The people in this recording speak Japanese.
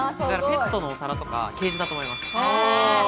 ペットのお皿とかケージだと思います。